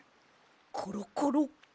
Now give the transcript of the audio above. コロコロ。